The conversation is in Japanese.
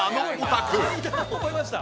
「階段覚えました？」